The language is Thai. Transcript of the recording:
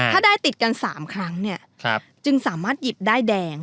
ถ้าได้ติดกัน๓ครั้งเนี่ยจึงสามารถหยิบด้ายแดง